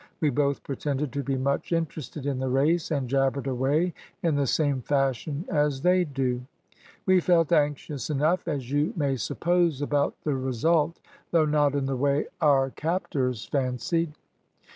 We both pretended to be much interested in the race, and jabbered away in the same fashion as they do. We felt anxious enough, as you may suppose, about the result, though not in the way our captors fancied.